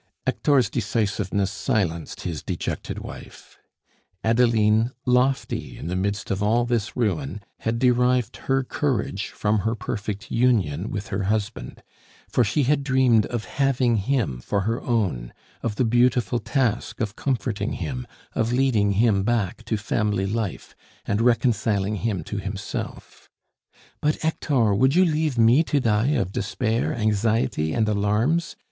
Hector's decisiveness silenced his dejected wife. Adeline, lofty in the midst of all this ruin, had derived her courage from her perfect union with her husband; for she had dreamed of having him for her own, of the beautiful task of comforting him, of leading him back to family life, and reconciling him to himself. "But, Hector, would you leave me to die of despair, anxiety, and alarms!"